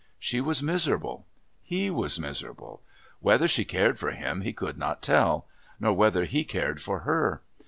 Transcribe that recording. She was miserable; he was miserable; whether she cared for him he could not tell, nor whether he cared for her.